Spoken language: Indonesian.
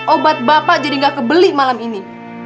obat bapak jadi nggak kebeli malam ini